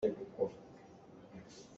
Tangka nuai sawm ngeih cu a har chinchin.